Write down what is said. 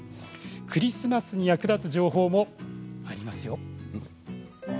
クリスマスに役立つ情報があります。